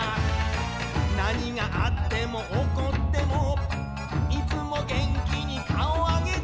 「何があっても起こっても」「いつも元気に顔上げて」